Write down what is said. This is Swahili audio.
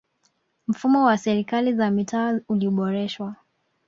mfumo wa serikali za mitaa uliboreshwa